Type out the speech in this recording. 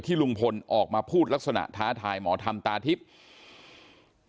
ลุงพลออกมาพูดลักษณะท้าทายหมอธรรมตาทิพย์